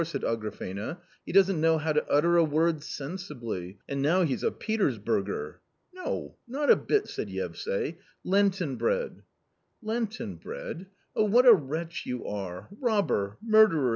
" said Agrafena, " he doesn't know how to utter a word sensibly ; and now he's a Peters burger !"" No, not a bit !" said Yevsay. " Lenten bread." " Lenten bread ! Oh, what a wretch you are, robber, murderer